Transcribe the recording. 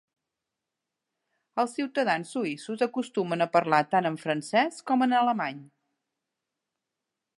Els ciutadans suïssos acostumen a parlar tant en francès com en alemany.